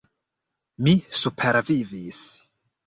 Mi supervivis.